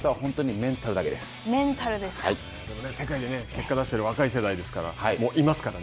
世界で結果を出している若い世代もいますからね。